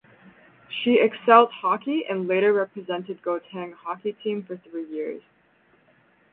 She excelled hockey and later represented Gauteng hockey team for three years.